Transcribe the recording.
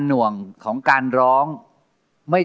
สวัสดีครับ